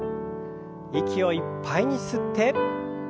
息をいっぱいに吸って。